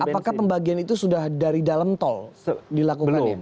apakah pembagian itu sudah dari dalam tol dilakukannya